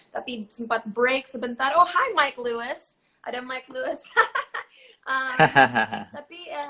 tapi sempat break sebentar oh hai mike lewis ada mike lewis hahaha